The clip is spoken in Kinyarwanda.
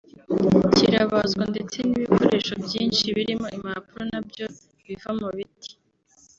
kirabazwa ndetse n’ibikoresho byinshi birimo impapuro na byo biva mu biti